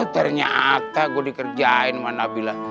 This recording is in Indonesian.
ternyata gue dikerjain sama nabilah